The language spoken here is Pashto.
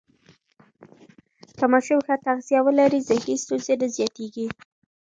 که ماشومان ښه تغذیه ولري، ذهني ستونزې نه زیاتېږي.